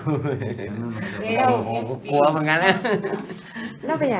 โอ้โหปะกัวเหมือนกันน่ะ